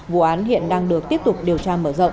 vụ án hiện đang được tiếp tục điều tra mở rộng